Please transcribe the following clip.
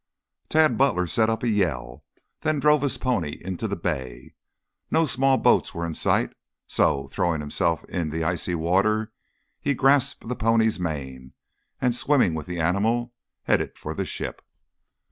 Tad Butler set up a yell, then drove his pony into the bay. No small boats were in sight, so, throwing himself in the icy water, he grasped the pony's mane and, swimming with the animal, headed for the ship.